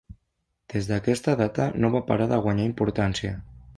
Des d'aquesta data no va parar de guanyar importància.